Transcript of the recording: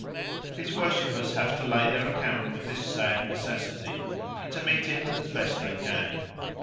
His worshippers have to lay their account with this sad necessity and to meet it as best they can.